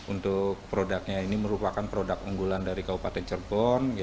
untuk produknya ini merupakan produk unggulan dari kabupaten cirebon